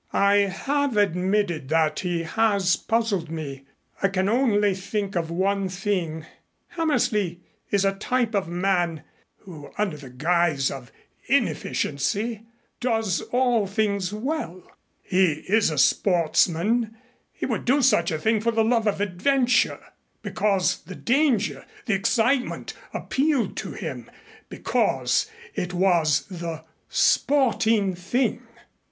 "I have admitted that he has puzzled me. I can only think of one thing. Hammersley is a type of man who under the guise of inefficiency does all things well. He is a sportsman. He would do such a thing for the love of adventure, because the danger, the excitement, appealed to him because it was the 'sporting thing.